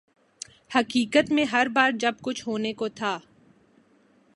حقیقت میں ہر بار جب کچھ ہونے کو تھا۔